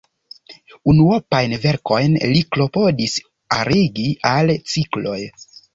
Unuopajn verkojn li klopodis arigi al cikloj.